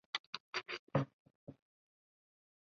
汉堡王是全球大型连锁速食企业。